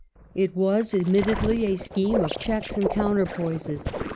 It was admittedly a scheme of "checks and counterpoises".